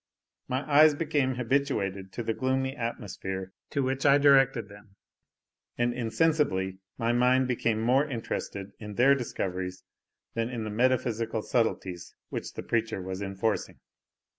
My eyes became habituated to the gloomy atmosphere to which I directed them, and insensibly my mind became more interested in their discoveries than in the metaphysical subtleties which the preacher was enforcing.